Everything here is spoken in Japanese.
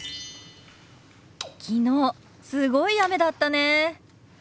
昨日すごい雨だったね。